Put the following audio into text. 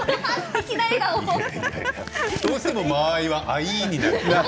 どうしても間合いはアイーンになる。